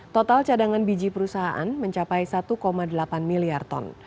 total cadangan biji perusahaan mencapai satu delapan miliar ton